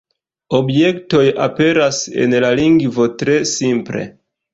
Objektoj aperas en la lingvo tre simple.